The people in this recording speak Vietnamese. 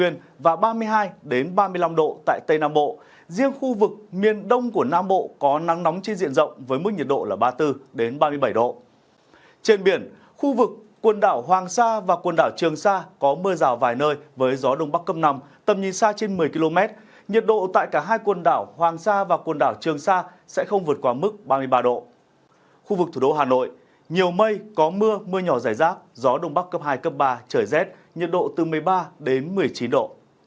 nhiệt độ tại cả hai quần đảo hoàng sa và quần đảo trường sa có mưa rào vài nơi với gió đông bắc cấp ba trời rét nhiệt độ từ một mươi ba đến một mươi chín độ